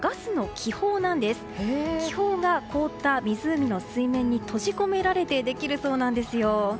気泡が凍った湖の水面に閉じ込められてできるそうなんですよ。